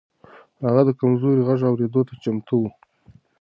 هغه د کمزورو غږ اورېدو ته چمتو و.